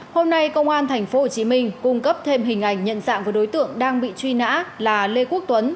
hôm nay công an tp hcm cung cấp thêm hình ảnh nhận dạng của đối tượng đang bị truy nã là lê quốc tuấn